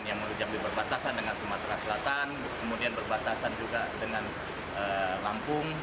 yang menuju perbatasan dengan sumatera selatan kemudian berbatasan juga dengan lampung